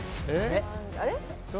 あれ？